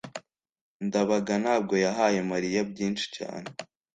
ndabaga ntabwo yahaye mariya byinshi cyane